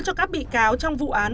cho các bị cáo trong vụ án